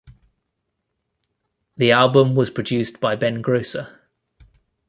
The album was produced by Ben Grosse.